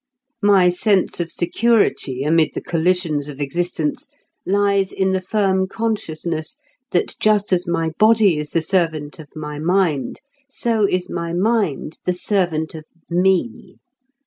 My sense of security amid the collisions of existence lies in the firm consciousness that just as my body is the servant of my mind, so is my mind the servant of me.